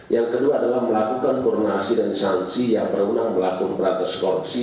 yang kedua adalah melakukan koronasi dan isansi yang terundang melakukan peratus korupsi